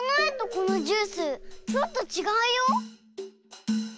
このジュースちょっとちがうよ。